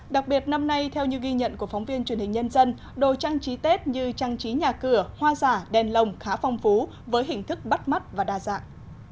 đặc biệt năm nay theo như ghi nhận của phóng viên truyền hình nhân dân đồ trang trí tết như trang trí nhà cửa hoa giả đèn lồng khá phong phú với hình thức bắt mắt và đa dạng